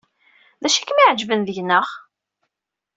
D acu ay kem-iɛejben deg-neɣ?